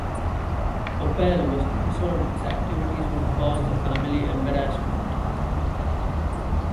Opel was concerned his activities would cause the family embarrassment.